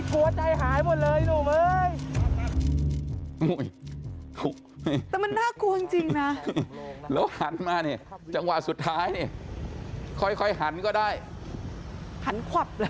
คลองสำโลงนะครับผมขับวินเนี่ยครับ